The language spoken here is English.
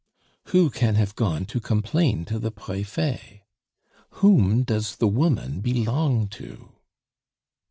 "Who can have gone to complain to the Prefet? Whom does the woman belong to?"